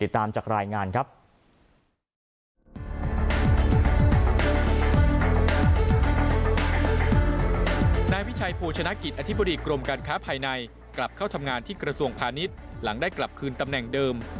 อธิบดีกรมการค้าภายในกลับเข้าทำงานที่กระทรวงพาณิชย์หลังได้กลับคืนตำแหน่งเดิม